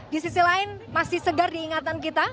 di sisi lain masih segar diingatan kita